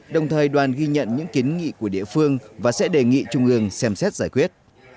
đồng thời đoàn ghi nhận những kiến nghị của địa phương và sẽ đề nghị trung ương xem xét giải quyết